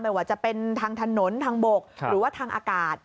ไม่ว่าจะเป็นทางถนนทางบกหรือว่าทางอากาศ